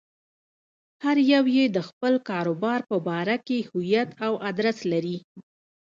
هر يو يې د خپل کاروبار په باره کې هويت او ادرس لري.